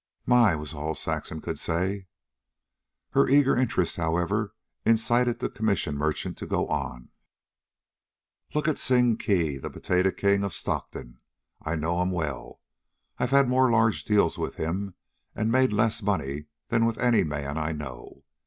"My!" was all Saxon could say. Her eager interest, however, incited the commission merchant to go on. "Look at Sing Kee the Potato King of Stockton. I know him well. I've had more large deals with him and made less money than with any man I know.